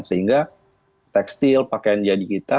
sehingga tekstil pakaian jadi kita